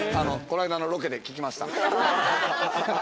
こないだのロケで聞きました。